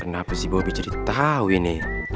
kenapa si bobby jadi tau ini